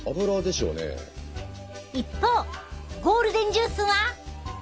ところがゴールデンジュースは。